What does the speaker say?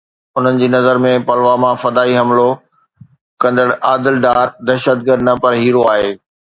انهن جي نظر ۾ پلواما فدائي حملو ڪندڙ عادل ڊار دهشتگرد نه پر هيرو آهي.